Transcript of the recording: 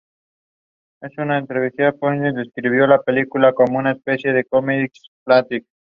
En una entrevista, Pattinson describió la película como "una especie de comedia slapstick".